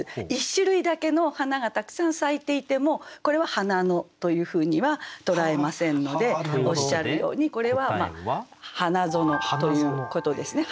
１種類だけの花がたくさん咲いていてもこれは「花野」というふうには捉えませんのでおっしゃるようにこれは「花園」ということですね。